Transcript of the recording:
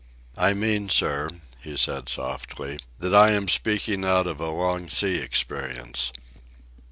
"I mean, sir," he said softly, "that I am speaking out of a long sea experience.